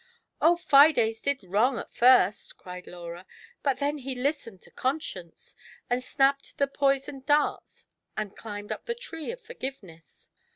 '' Oh, Fides did wrong at first," cried Laura; " but then he listened to Conscience, and snapped the poisoned darts, and climbed up the tree of Forgiveness.